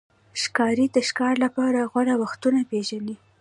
ښکاري د ښکار لپاره غوره وختونه پېژني.